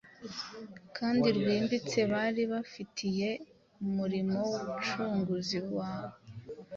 kandi rwimbitse bari bafitiye umurimo w’Umucunguzi wabo.